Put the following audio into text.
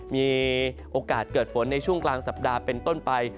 มีโอกาสเกิดฝนในช่วงกลางสัปดาห์เป็นต้นไป